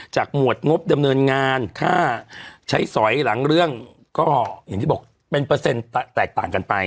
หมวดงบดำเนินงานค่าใช้สอยหลังเรื่องก็อย่างที่บอกเป็นเปอร์เซ็นต์แตกต่างกันไป